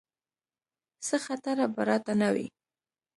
څه خطره به راته نه وي.